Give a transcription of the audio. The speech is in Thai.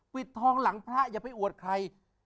ปิดทองหลังพระอย่าไปอวดใคร